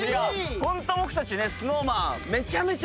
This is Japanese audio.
ホント僕たちねＳｎｏｗＭａｎめちゃめちゃ